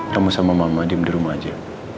ketemu sama mama diem di rumah aja